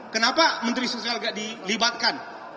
kenapa menteri sosial agak dilibatkan